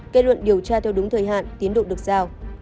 kết luận điều tra theo đúng thời hạn tiến độ được giao